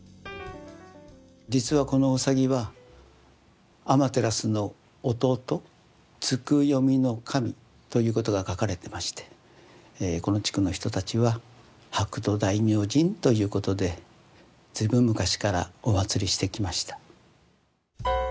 実はこのうさぎはアマテラスの弟月読の神ということが書かれてましてこの地区の人たちは白兎大明神ということで随分昔からお祭りしてきました。